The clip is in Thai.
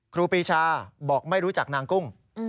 ครูปีชาบอกไม่รู้จักนางกุ้ง